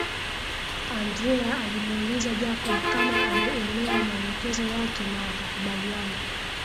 Andrea alimuuliza Jacob kama ameelewa maelekezo yake na wakakubaliana